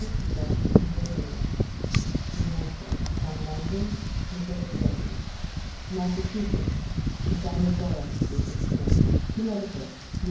and deputy from Virginia New Hampshire John Langdon Nicholas Gilman Massachusetts Nathaniel Gorham Rufus King Connecticut Wm.